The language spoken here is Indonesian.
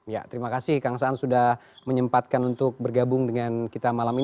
ya terima kasih kang saan sudah menyempatkan untuk bergabung dengan kita malam ini